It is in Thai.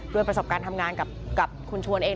ประสบการณ์ทำงานกับคุณชวนเอง